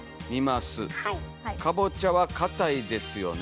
かぼちゃはかたいですよね」。